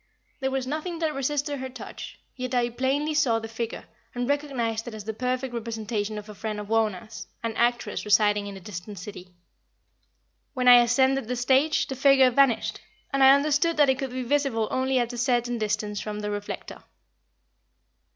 There was nothing that resisted her touch, yet I plainly saw the figure, and recognized it as the perfect representation of a friend of Wauna's, an actress residing in a distant city. When I ascended the stage, the figure vanished, and I understood that it could be visible only at a certain distance from the reflector.